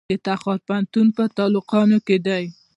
د تخار پوهنتون په تالقان کې دی